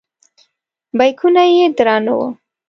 بیکونه یې درانه وو.